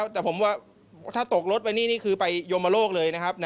แต่ผมว่าถ้าตกรถไปนี่นี่คือไปโยมโลกเลยนะครับ